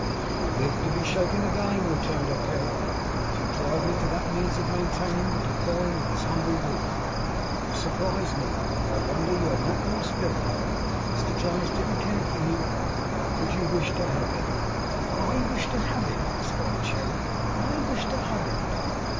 'You'll live to be shaken again,' returned her parent, 'if you drive me to that means of maintaining the decorum of this humble roof. You surprise me. I wonder you have not more spirit. If Mr Jonas didn't care for you, how could you wish to have him?' 'I wish to have him!' exclaimed Cherry. 'I wish to have him, Pa!